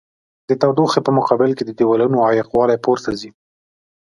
د تودوخې په مقابل کې د دېوالونو عایق والي پورته ځي.